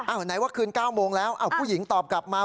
ไหนว่าคืน๙โมงแล้วผู้หญิงตอบกลับมา